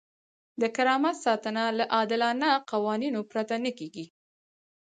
د کرامت ساتنه له عادلانه قوانینو پرته نه کیږي.